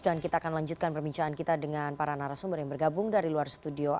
dan kita akan lanjutkan perbincangan kita dengan para narasumber yang bergabung dari luar studio